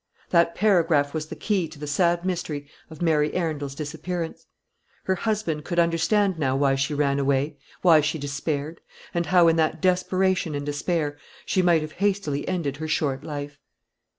That paragraph was the key to the sad mystery of Mary Arundel's disappearance. Her husband could understand now why she ran away, why she despaired; and how, in that desperation and despair, she might have hastily ended her short life.